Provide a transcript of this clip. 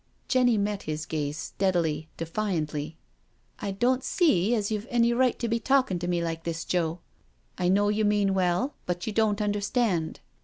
Jenny met his gaze steadily, defiantly. " I don't see as you've any right to be talkin' to me like this, Joe. I know you mean well, but you don't understand."